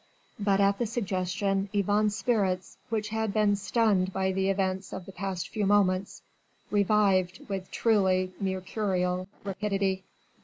But at the suggestion, Yvonne's spirits, which had been stunned by the events of the past few moments, revived with truly mercurial rapidity.